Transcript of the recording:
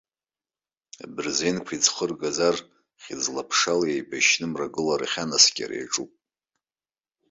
Абырзенқәа иӡхыргаз ар хьыӡла-ԥшала еибашьны мрагыларахь анаскьара иаҿуп.